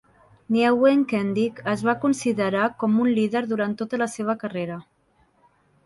Nieuwendyk es va considerar com un líder durant tota la seva carrera.